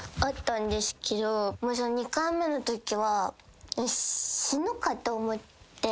２回目のときは死ぬかと思って。